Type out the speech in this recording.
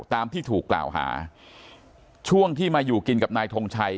ตามที่ถูกกล่าวหาช่วงที่มาอยู่กินกับนายทงชัย